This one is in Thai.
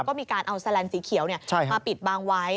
ก็มีการเอาแลนสีเขียวมาปิดบางไว้